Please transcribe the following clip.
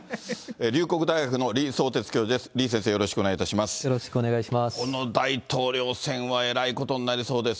龍谷大学の李相哲教授です。